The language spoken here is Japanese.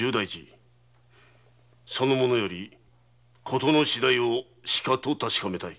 その者より事の次第をしかと確かめたい。